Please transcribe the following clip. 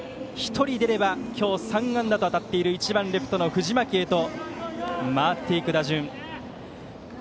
１人出れば今日３安打と当たっている１番レフトの藤巻へと回っていく打順。